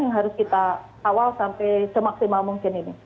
yang harus kita kawal sampai semaksimal mungkin ini